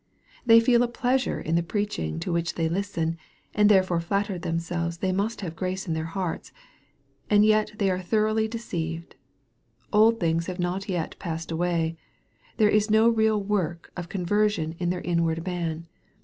They feel a pleasure in the preaching to which they listen, and therefore flatter themselves they must have grace in their hearts. And yet they are thoroughly deceived. Old things have not yet passed away. There is no real work of conversion in their inward man.